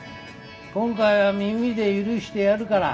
今回は耳で許してやるから。